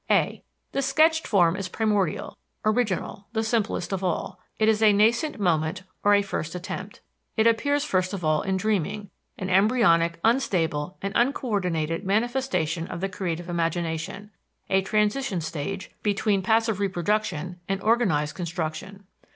(a) The sketched form is primordial, original, the simplest of all; it is a nascent moment or first attempt. It appears first of all in dreaming an embryonic, unstable and uncoördinated manifestation of the creative imagination a transition stage between passive reproduction and organized construction.